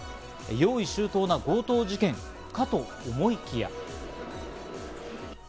用意周到な強盗事件かと思いきや。